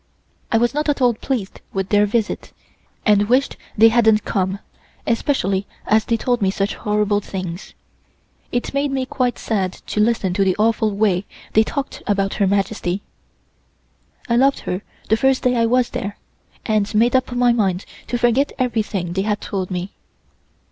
I was not at all pleased with their visit, and wished they hadn't come, especially as they told me such horrible things. It made me quite sad to listen to the awful way they talked about Her Majesty. I loved her the first day I was there, and made up my mind to forget everything they had told me.